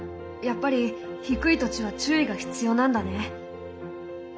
やっぱり低い土地は注意が必要なんだね。